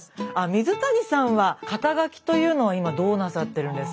水谷さんは肩書というのは今どうなさってるんですか？